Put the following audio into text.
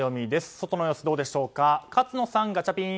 外の様子どうでしょうか勝野さん、ガチャピン！